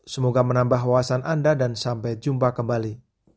semoga menambah wawasan anda dan sampai jumpa kembali